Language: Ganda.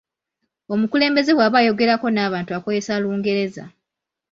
Omukulembeze bw’aba ayogerako n’abantu akozesa Lungereza.